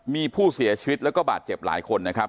มีผู้เสียชีวิตแล้วก็บาดเจ็บหลายคนนะครับ